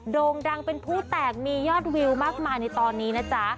โด่งดังเป็นผู้แตกมียอดวิวมากมายในตอนนี้นะจ๊ะ